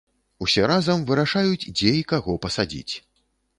Усе разам вырашаюць дзе і каго пасадзіць.